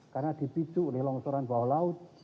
karena dipicu oleh longsoran bawah laut